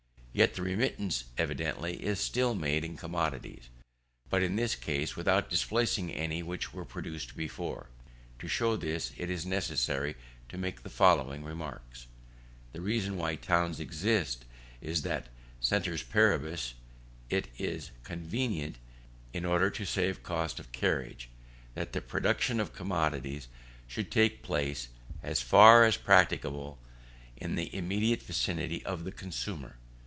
Yet the remittance evidently is still made in commodities, but in this case without displacing any which were produced before. To shew this, it is necessary to make the following remarks. The reason why towns exist, is that ceteris paribus it is convenient, in order to save cost of carriage, that the production of commodities should take place as far as practicable in the immediate vicinity of the consumer.